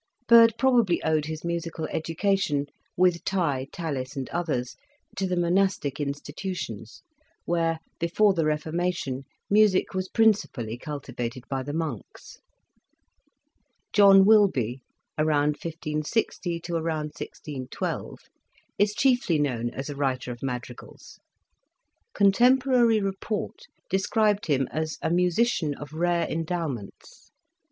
Byrd probably owed his musical education, with Tye, Tallis and others, to the monastic institutions, where, before the Reformation, music was principally cultivated by the Monks. John Wilbye, I56o? i6i2? is chiefly known as a writer of madrigals. Contemporary report described him as " a musician of rare endow ments."